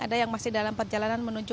ada yang masih dalam perjalanan menuju